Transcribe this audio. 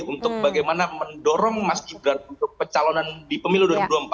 untuk bagaimana mendorong mas gibran untuk pencalonan di pemilu dua ribu dua puluh empat